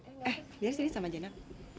eh biar sini sama jenap